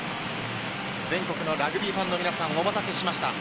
全国のラグビーファンの皆さん、お待たせしました。